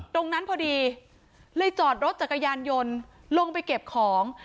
ตรงนั้นพอดีเลยจอดรถจักรยานยนต์ลงไปเก็บของ